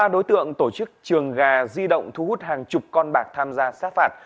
ba đối tượng tổ chức trường gà di động thu hút hàng chục con bạc tham gia sát phạt